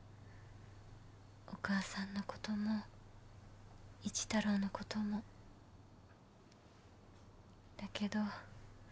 お母さんのことも一太郎のこともだけど